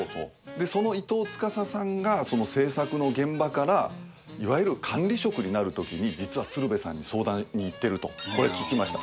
でその伊藤司さんがその制作の現場からいわゆる管理職になるときに実は鶴瓶さんに相談に行ってるとこれ聞きました。